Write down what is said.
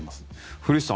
古市さん